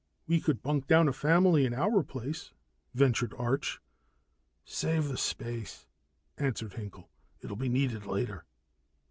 "We could bunk down a family in our place," ventured Arch. "Save that space," answered Hinkel. "It'll be needed later."